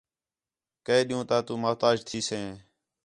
کے ݙِین٘ہوں تا تو محتاج تھیسے